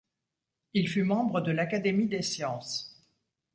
Il fut membre de l'Académie des sciences.